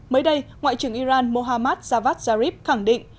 mới đây ngoại trưởng iran mohammad javad zarif khẳng định